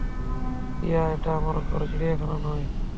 টিয়া, এটা আমার ঘর, চিড়িয়াখানা নয়।